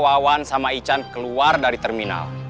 wawan sama ican keluar dari terminal